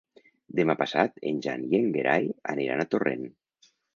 Demà passat en Jan i en Gerai aniran a Torrent.